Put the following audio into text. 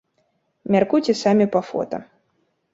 Мяркуйце самі па фота.